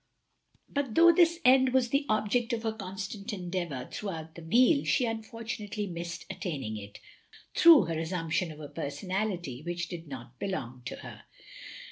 But though this end was the object of her constant endeavour throughout the meal, she unfortunately missed attaining it, through her assumption of a personality which did not belong to her.